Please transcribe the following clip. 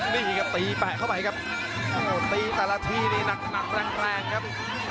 นี่ครับตีแปะเข้าไปครับโอ้โหตีแต่ละทีนี่หนักแรงแรงครับ